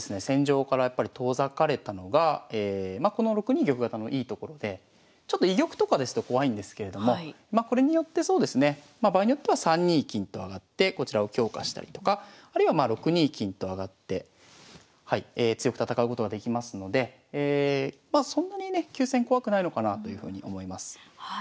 戦場からやっぱり遠ざかれたのがこの６二玉型のいいところで居玉とかですと怖いんですけれどもこれによってそうですねまあ場合によっては３二金と上がってこちらを強化したりとかあるいはまあ６二金と上がって強く戦うことができますのでそんなにね急戦怖くないのかなというふうに思います。